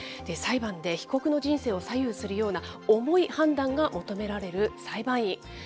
裁判で被告の人生を左右するような重い判断が求められる裁判員。